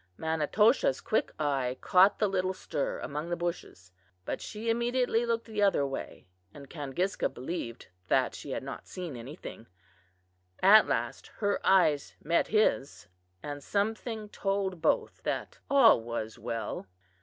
Manitoshaw's quick eye caught the little stir among the bushes, but she immediately looked the other way and Kangiska believed that she had not seen anything, At last her eyes met his, and something told both that all was well.